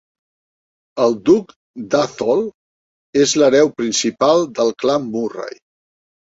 El duc d'Atholl és l'hereu principal del clan Murray.